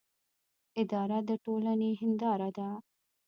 اداره د ټولنې هنداره ده